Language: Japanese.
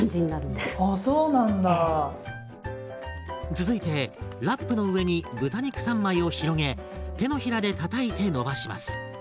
続いてラップの上に豚肉３枚を広げ手のひらでたたいて伸ばします。